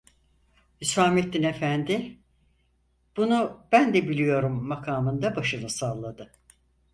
Hüsamettin efendi "Bunu ben de biliyorum!" makamında başını salladı.